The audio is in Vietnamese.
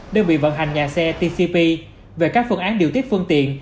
đơn vị vận hành nhà xe tcp về các phương án điều tiết phương tiện